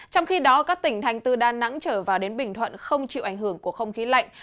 trong khi đó các tỉnh thành từ đà nẵng trở vào đến bình thuận không chịu ảnh hưởng của không khí lạnh